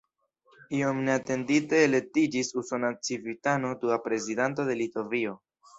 Iom neatendite elektiĝis usona civitano dua prezidanto de Litovio.